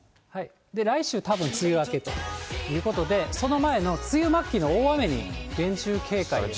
来週、たぶん梅雨明けということで、その前の梅雨末期の大雨に厳重警戒ですね。